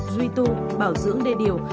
duy tu bảo dưỡng đê điều